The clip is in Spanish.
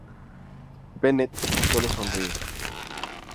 Bennet solo sonríe.